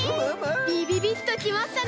ビビビッときましたね！